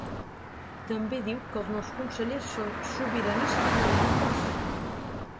També diu que els nous consellers són ‘sobiranistes radicals’.